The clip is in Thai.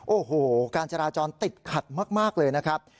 โอ้โหการจราจรติดขัดมากเลยนะครับ